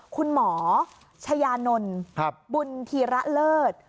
คุณหมอชายานนท์บุญธีระเลิศ